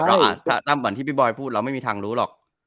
เหมือนที่พี่บอยพูดเราไม่มีทางรู้หรอก